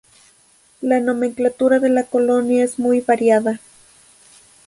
La nomenclatura de la colonia es muy variada.